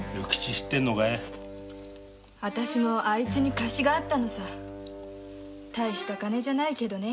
私もアイツに貸しがあったのさ大した金じゃないけどね。